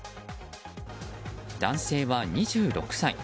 男性は２６歳。